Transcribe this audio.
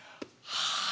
はあ。